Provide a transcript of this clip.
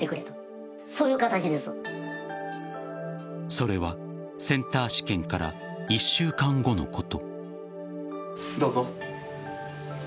それはセンター試験から１週間後のこと。